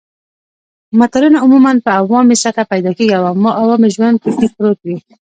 متلونه عموماً په عوامي سطحه پیدا کېږي او عوامي ژوند پکې پروت وي